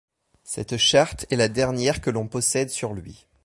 Cette charte est la dernière que l'on possède sur lui.